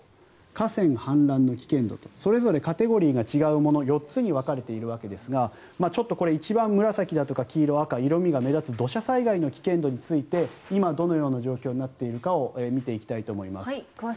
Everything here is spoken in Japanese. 河川氾濫の危険度とそれぞれカテゴリーが違うもの４つに分かれているわけですがちょっとこれは一番紫だとか黄色、赤の色味が目立つ土砂災害の危険度について今、どのような状況になっているかを詳しく見ていきます。